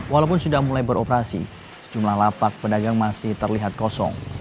walaupun sudah mulai beroperasi sejumlah lapak pedagang masih terlihat kosong